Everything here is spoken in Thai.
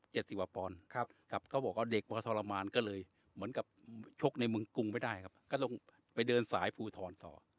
สิบกว่าปอนด์ครับครับเขาบอกว่าเด็กพอทรมานก็เลยเหมือนกับชกในเมืองกรุงไม่ได้ครับก็ลงไปเดินสายภูทรต่อ